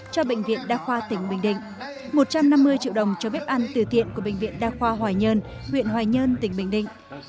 cho bệnh viện đa khoa tỉnh bình định một trăm năm mươi triệu đồng cho bếp ăn từ thiện của bệnh viện đa khoa hoài nhơn huyện hoài nhơn tỉnh bình định